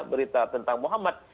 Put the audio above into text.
berita tentang muhammad